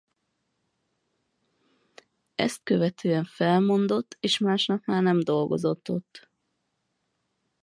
Ezt követően felmondott és másnap már nem dolgozott ott.